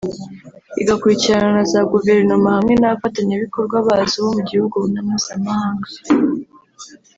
rigakurikiranwa na za guverinoma hamwe n’abafatanyabikorwa bazo bo mu gihugu na mpuzamahanga